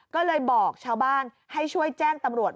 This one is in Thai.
ก็เลยบอกชาวบ้านให้ช่วยแจ้งตำรวจ